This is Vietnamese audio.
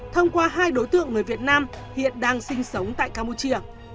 thông qua hai đối tượng người việt nam hiện đang sinh sống tại campuchia